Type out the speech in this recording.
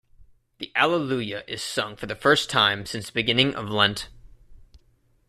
The Alleluia is sung for the first time since the beginning of Lent.